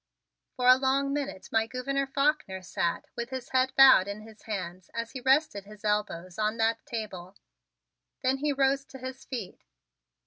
For a long minute my Gouverneur Faulkner sat with his head bowed in his hands as he rested his elbows on that table, then he rose to his feet.